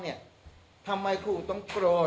แต่เจ้าตัวก็ไม่ได้รับในส่วนนั้นหรอกนะครับ